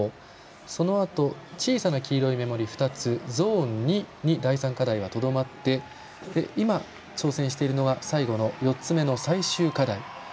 そのあと、小さな黄色い目盛りゾーン２に第３課題はとどまって今、挑戦しているのは最後の４つ目の最終課題。